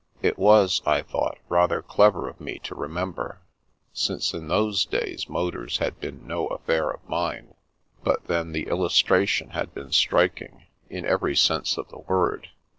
It was, I thought, rather clever of me to remember, since in those days motors had been no affair of mine; but then, the illustration had been striking, in every sense of the word.